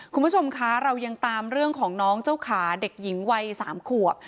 คุณผู้ชมคะเรายังตามเรื่องของน้องเจ้าขาเด็กหญิงวัย๓ขวบ